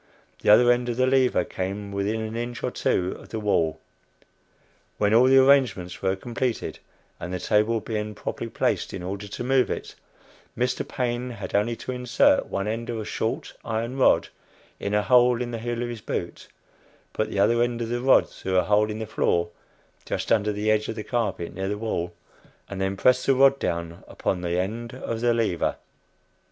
The other end of the lever came within an inch or two of the wall. When all the arrangements were completed, and the table being properly placed in order to move it, Mr. Paine had only to insert one end of a short iron rod in a hole in the heel of his boot, put the other end of the rod through a hole in the floor, just under the edge of the carpet near the wall, and then press the rod down upon the end of the lever.